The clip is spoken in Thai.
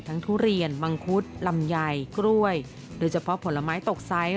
ทุเรียนมังคุดลำไยกล้วยโดยเฉพาะผลไม้ตกไซส์